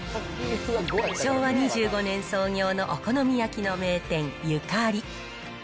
昭和２５年創業のお好み焼きの名店、ゆかり。